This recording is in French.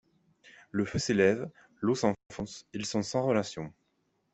Le feu s’élève, l’eau s’enfonce: ils sont sans relation.